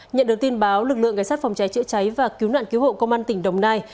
nhận được tin báo lực lượng ngay sát phòng cháy chữa cháy và cứu nạn cứu hộ công an tỉnh đồng nai